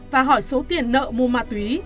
và hỏi số tiền nợ mua ma túy